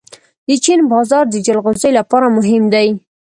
د چین بازار د جلغوزیو لپاره مهم دی.